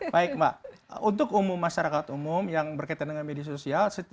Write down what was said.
baik mbak untuk umum masyarakat umum yang berkaitan dengan media sosial